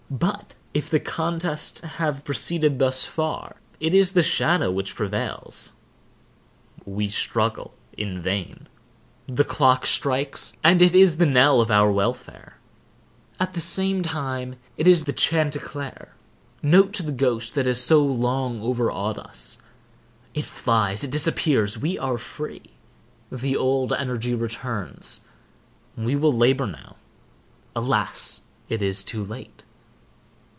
But, if the contest have proceeded thus far, it is the shadow which prevails,—we struggle in vain. The clock strikes, and is the knell of our welfare. At the same time, it is the chanticleer note to the ghost that has so long overawed us. It flies—it disappears—we are free. The old energy returns. We will labor now. Alas, it is too late!